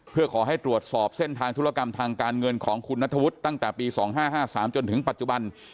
เพื่อขอให้ตรวจสอบเส้นทางธุรกรรมทางการเงินของคุณนัทวุฒิตั้งแต่ปี๒๕๕๓จนถึงปัจจุบัน